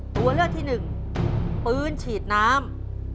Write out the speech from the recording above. ตัวเลือกที่หนึ่งปืนฉีดน้ำ